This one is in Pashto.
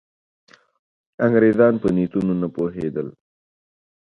انګرېزان په نیتونو نه پوهېدل.